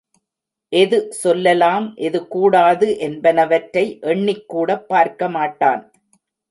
எது சொல்லலாம் எது கூடாது என்பனவற்றை எண்ணிக்கூடப் பார்க்க மாட்டான்.